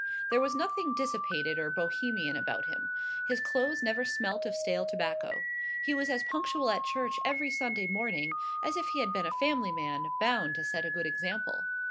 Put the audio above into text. There was nothing dissipated or Bohemian about him. His clothes never smelt of stale tobacco. He was as punctual at church every Sunday morning as if he had been a family man, bound to set a good example.